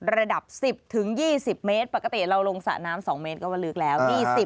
ระดับ๑๐๒๐เมตรปกติเราลงสระน้ำ๒เมตรก็ว่าลึกแล้ว